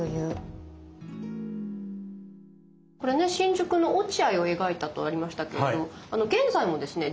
これね新宿の落合を描いたとありましたけれど現在もですね